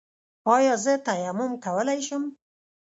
ایا زه تیمم کولی شم؟